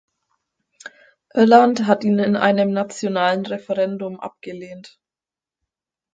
Irland hat ihn in einem nationalen Referendum abgelehnt.